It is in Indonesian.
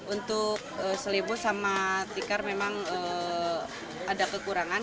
untuk selebu sama tikar memang ada kekurangan